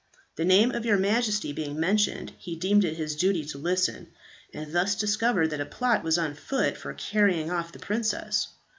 The name of your Majesty being mentioned, he deemed it his duty to listen, and thus discovered that a plot was on foot for carrying off the princess.